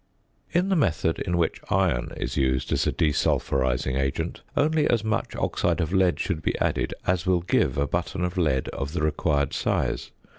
In the method in which iron is used as a de sulphurising agent, only as much oxide of lead should be added as will give a button of lead of the required size.